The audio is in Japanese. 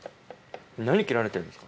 何切られてるんですか？